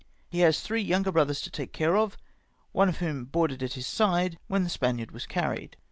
He has three younger brothers to take care of, one of whom boarded at his side* when the Spaniard was carried.